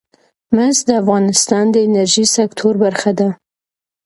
مس د افغانستان د انرژۍ سکتور برخه ده.